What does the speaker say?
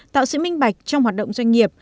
tạo sự minh bạch trong hoạt động doanh nghiệp